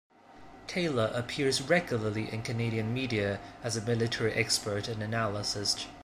Taylor appears regularly in Canadian media as a military expert and analyst.